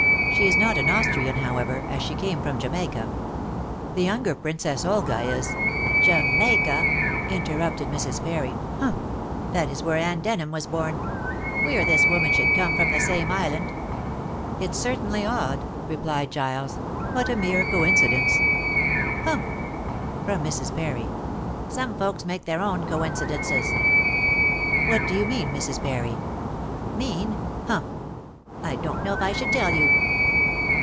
She is not an Austrian, however, as she came from Jamaica. The younger, Princess Olga, is " "Jamaica," interrupted Mrs. Parry! "Humph! That is where Anne Denham was born. Queer this woman should come from the same island." "It's certainly odd," replied Giles. "But a mere coincidence." "Humph!" from Mrs. Parry. "Some folks make their own coincidences." "What do you mean, Mrs. Parry?" "Mean? Humph! I don't know if I should tell you."